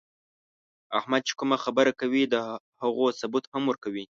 احمد چې کومه خبره کوي، د هغو ثبوت هم ورکوي.